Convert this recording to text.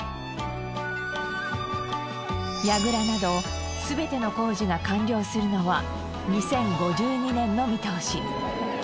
櫓など全ての工事が完了するのは２０５２年の見通し。